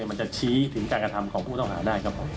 มันจะชี้ถึงการกระทำของผู้ต้องหาได้ครับผม